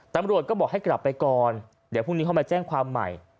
ตำรวจก็บอกให้กลับไปก่อนเดี๋ยวพรุ่งนี้เขามาแจ้งความใหม่